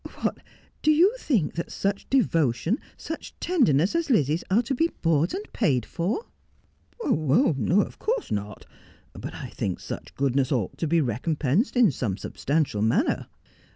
What, do you think that such devotion, such tenderness, as Lizzie's are to be bought and paid for 1 ' 'Of course not. But I think such goodness ought to be recompensed in some substantial manner.'